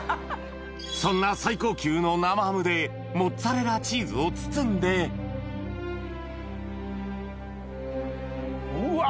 そんな最高級の生ハムでモッツァレラチーズを包んでうわ！